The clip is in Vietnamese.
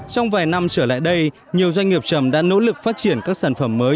trong vài năm trở lại đây nhiều doanh nghiệp chầm đã nỗ lực phát triển các sản phẩm mới